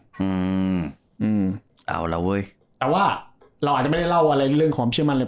อืมอืมเอาล่ะเว้ยแต่ว่าเราอาจจะไม่ได้เล่าอะไรเรื่องความเชื่อมั่นเลย